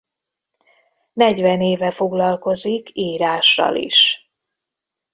Negyven éve foglalkozik írással is.